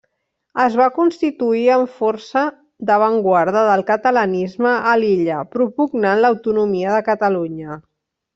Es va constituir en força d’avantguarda del catalanisme a l’illa, propugnant l’autonomia de Catalunya.